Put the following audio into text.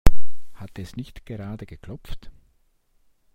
Hat es nicht gerade geklopft?